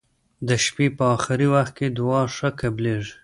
د شپي په اخرې وخت کې دعا ښه قبلیږی.